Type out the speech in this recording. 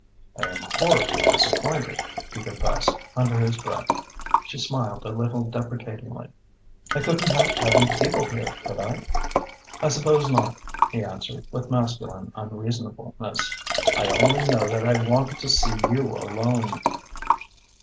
"I am horribly disappointed," he confessed, under his breath. She smiled a little deprecatingly. "I couldn't help having people here, could I?" "I suppose not," he answered, with masculine unreasonableness. "I only know that I wanted to see you alone."